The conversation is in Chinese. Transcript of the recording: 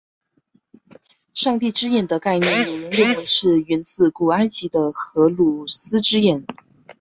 上帝之眼的概念有人认为是源自古埃及的荷鲁斯之眼。